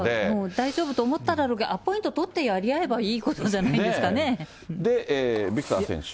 大丈夫と思ったって、アポイント取ってやり合えばいいことじで、ビクター選手。